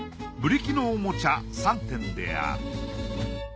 ブリキのおもちゃ３点である。